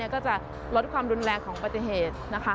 ก็จะลดความรุนแรงของปฏิเหตุ